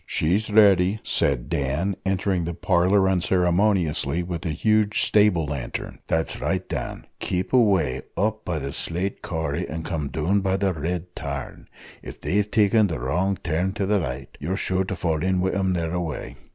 "She's ready," said Dan, entering the parlour unceremoniously with a huge stable lantern. "That's right, Dan keep away up by the slate corrie, and come down by the red tarn. If they've taken the wrong turn to the right, you're sure to fall in wi' them thereaway.